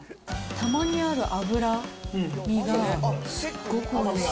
たまにある脂身がすっごくおいしい。